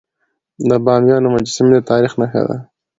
د بامیانو مجسمي د تاریخ نښه ده.